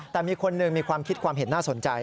แต่มีคนหนึ่งมีความคิดความเห็นน่าสนใจ